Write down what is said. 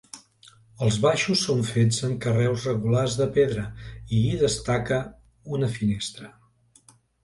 Els baixos són fets amb carreus regulars de pedra i hi destaca una finestra.